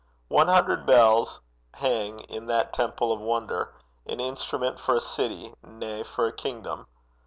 One hundred bells hang in that tower of wonder, an instrument for a city, nay, for a kingdom.